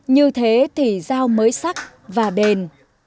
như thế thì dao mới sắc và đền